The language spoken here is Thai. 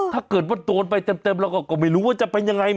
ถ้าเกิดว่าโดนไปเต็มแล้วก็ไม่รู้ว่าจะเป็นยังไง